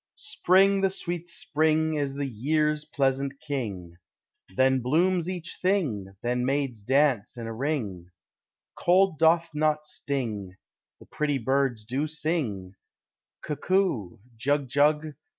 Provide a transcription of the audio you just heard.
Spring, the sweet spring, is the year's pleasanl king; Then blooms each thing, then maids dance id Cold doth not sting, the prettj birds do sing, Cuckoo, jug jug.